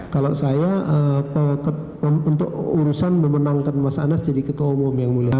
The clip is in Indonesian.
kalau saya untuk urusan memenangkan mas anas jadi ketua umum yang mulia